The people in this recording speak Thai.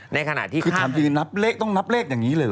ในขณะที่คือถามจริงนับเลขต้องนับเลขอย่างนี้เลยเห